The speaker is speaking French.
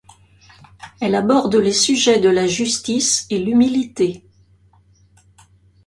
Elle aborde les sujets de la justice et l'humilité.